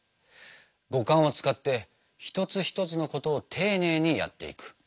五感を使って一つ一つのことを丁寧にやっていく。